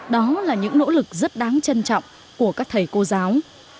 đó là những nỗ lực rất đáng trân trọng của các thầy cô giáo